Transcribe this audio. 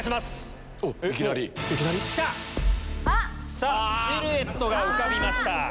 さぁシルエットが浮かびました。